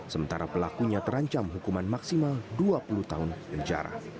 sementara pelakunya terancam hukuman maksimal dua puluh tahun penjara